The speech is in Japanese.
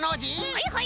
はいはい！